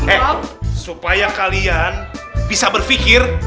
eh supaya kalian bisa berpikir